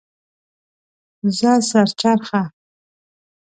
زه سر چرخه